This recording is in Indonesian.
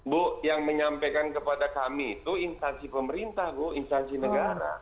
bu yang menyampaikan kepada kami itu instansi pemerintah bu instansi negara